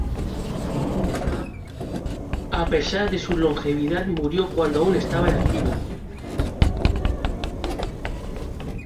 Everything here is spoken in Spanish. A pesar de su longevidad, murió cuando aún estaba en activo.